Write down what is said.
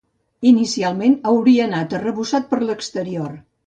Inicialment hauria anat arrebossat per l'exterior.